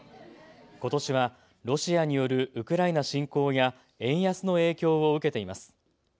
ことしはロシアによるウクライナ侵攻や円安の影響を受けています。